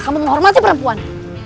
kamu menghormati perempuan